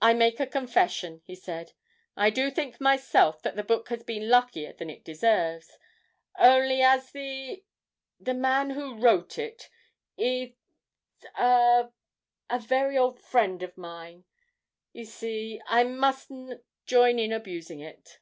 'I'll make a confession,' he said. 'I do think myself that the book has been luckier than it deserves only, as the the man who wrote it is a a very old friend of mine you see, I mustn't join in abusing it.'